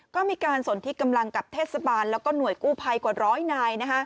ก็มีการสนที่กำลังกับเทศบาลแล้วก็หน่วยกู้ภัยกว่าร้อยนาย